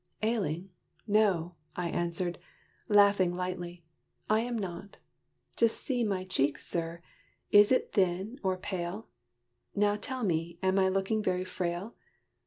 "Ailing? no," I answered, laughing lightly, "I am not: Just see my cheek, sir! is it thin, or pale? Now tell me, am I looking very frail?"